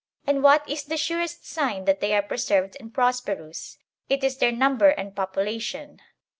And what is the surest sign that they are preserved and prosperous ? It is their num ber and population.